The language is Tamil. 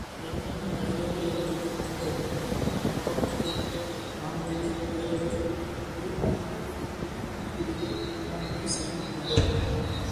என்னென்ன வேலைகள் எங்களுக்கு உண்டோ அவற்றை நாங்களே பிறரது குறுக்கீடுகள் இல்லாமலேயே செய்து கொண்டோம்!